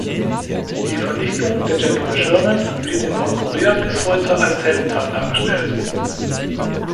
Die Vernichtung der "General Sherman" wird in Nordkorea bis heute als Heldentat dargestellt.